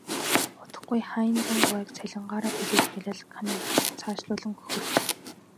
Удахгүй Хайнзан гуайг цалингаараа тэжээж гялайлгах нь ээ гэж цаашлуулан хөхөрнө.